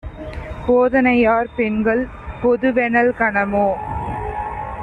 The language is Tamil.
போதனையாற் பெண்கள் பொதுவெனல் கனமோ?